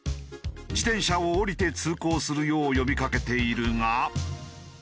自転車を降りて通行するよう呼びかけているが。